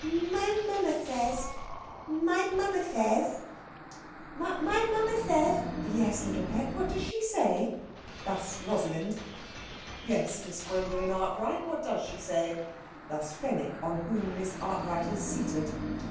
"My mummar says my mummar says my mummar says...." "Yes little pet what does she say?" Thus Rosalind. "Yes Miss Gwendolen Arkwright what does she say?" Thus Fenwick, on whom Miss Arkwright is seated.